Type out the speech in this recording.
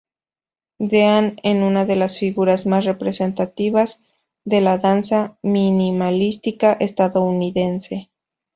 Dean es una de las figuras más representativas de la danza minimalista estadounidense.